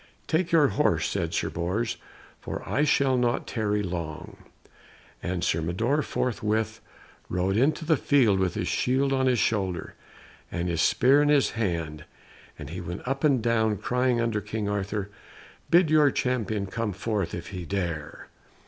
"Take your horse," said Sir Bors, "for I shall not tarry long," and Sir Mador forthwith rode into the field with his shield on his shoulder, and his spear in his hand, and he went up and down crying unto King Arthur, "Bid your champion come forth if he dare."